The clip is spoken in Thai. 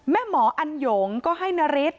แม่หมออันยงก็ให้นาริก